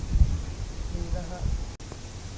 มีนะฮะ